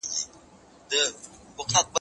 هغه څوک چي فکر کوي هوښيار وي!.